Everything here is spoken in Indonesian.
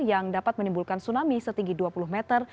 yang dapat menimbulkan tsunami setinggi dua puluh meter